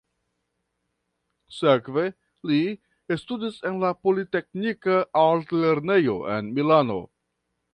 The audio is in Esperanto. Sekve li studis en la politeknika altlernejo en Milano.